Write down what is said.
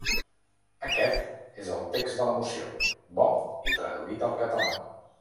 Aquest és el text de la moció, bo i traduït al català.